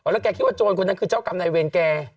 แล้วแกคิดว่าโจรคนนั้นคือเจ้ากรรมนายเวรแก